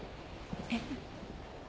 えっ？